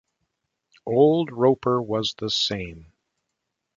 Old Roper was the same.